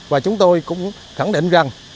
và chúng tôi cũng khẳng định rằng